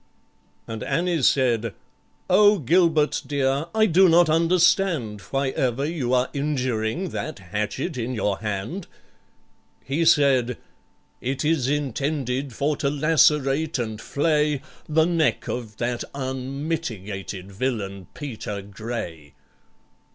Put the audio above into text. And ANNIE said, "O GILBERT, dear, I do not understand Why ever you are injuring that hatchet in your hand?" He said, "It is intended for to lacerate and flay The neck of that unmitigated villain PETER GRAY!"